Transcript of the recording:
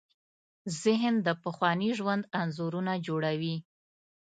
ذهن د پخواني ژوند انځورونه جوړوي.